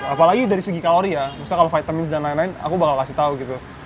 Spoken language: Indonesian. apalagi dari segi kalori ya misalnya kalau vitamin dan lain lain aku bakal kasih tau gitu